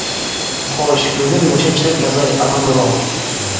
خوش، بۈگۈن مۇشۇنچىلىك يازاي، ئامان بولۇڭ!